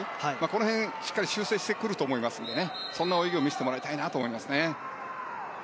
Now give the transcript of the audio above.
この辺、しっかり修正してくると思いますのでそんな泳ぎを見せてもらいたいと思いますね。